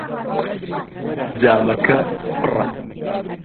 جامەکە پڕە.